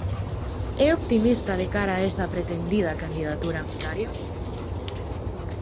É optimista de cara a esa pretendida candidatura unitaria?